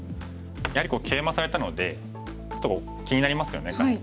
やはりケイマされたのでちょっとここ気になりますよね下辺。